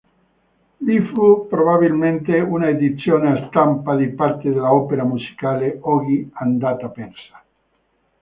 Vi fu probabilmente un’edizione a stampa di parte dell'opera musicale, oggi andata persa.